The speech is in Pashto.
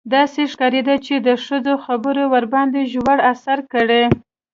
داسې ښکارېده چې د ښځې خبرو ورباندې ژور اثر کړی.